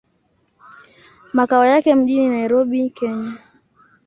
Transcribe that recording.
Makao yake mjini Nairobi, Kenya.